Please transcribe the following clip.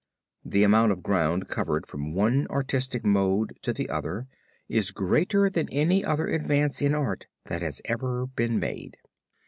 The amount of ground covered from one artistic mode to the other is greater than any other advance in art that has ever been made.